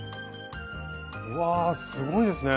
うわすごいですね。